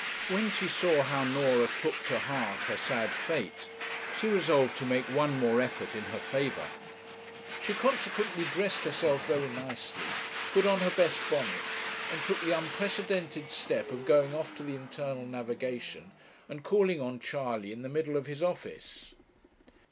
When she saw how Norah took to heart her sad fate, she resolved to make one more effort in her favour. She consequently dressed herself very nicely, put on her best bonnet, and took the unprecedented step of going off to the Internal Navigation, and calling on Charley in the middle of his office.